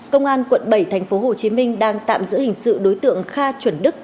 công an quận bảy thành phố hồ chí minh đang tạm giữ hình sự đối tượng kha chuẩn đức